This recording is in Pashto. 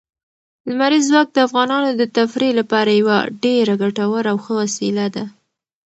لمریز ځواک د افغانانو د تفریح لپاره یوه ډېره ګټوره او ښه وسیله ده.